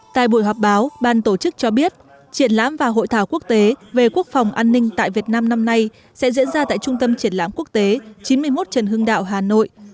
tại buổi họp báo ban tổ chức cho biết triển lãm và hội thảo quốc tế về quốc phòng an ninh tại việt nam năm nay sẽ diễn ra tại trung tâm triển lãm quốc tế chín mươi một trần hưng đạo hà nội